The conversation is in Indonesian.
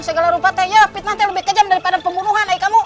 segala rupa tuh ya fitnah tuh lebih kejam daripada pembunuhan ayo kamu